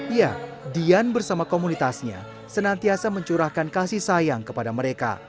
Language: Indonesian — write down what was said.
ya dian bersama komunitasnya senantiasa mencurahkan kasih sayang kepada mereka